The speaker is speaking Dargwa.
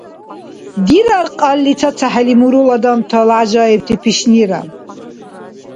Дирар кьалли цацахӀели мурул адамтала гӀяжаибти пишнира!